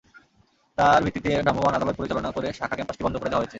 তার ভিত্তিতে ভ্রাম্যমাণ আদালত পরিচালনা করে শাখা ক্যাম্পাসটি বন্ধ করে দেওয়া হয়েছে।